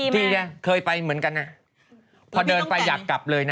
ที่จะเคยไปเหมือนกันพอเดินไปอยากกลับเลยนะ